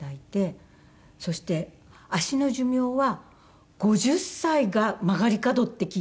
そして足の寿命は５０歳が曲がり角って聞いて。